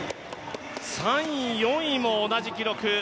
３位、４位も同じ記録。